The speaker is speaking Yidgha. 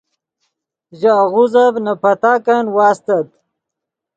ژے آغوزف نے پتاک واستت